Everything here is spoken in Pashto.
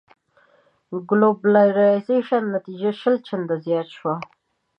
ګلوبلایزېشن نتيجه شل چنده زياته شوه.